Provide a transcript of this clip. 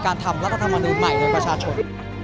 การทำรัฐธรรมนุษย์ใหม่ในประชาชน